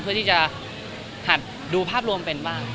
เพื่อที่จะหัดดูภาพรวมเป็นบ้าง